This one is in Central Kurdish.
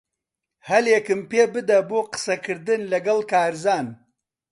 ھەلێکم پێبدە بۆ قسەکردن لەگەڵ کارزان.